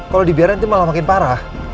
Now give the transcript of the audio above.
kalau dibiarin itu malah makin parah